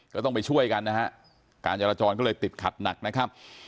ก็ต้องไปช่วยกันนะฮะการจราจรก็เลยติดขัดหนักนะครับ